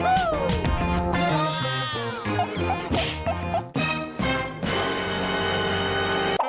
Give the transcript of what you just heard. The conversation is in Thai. ย้าฮู้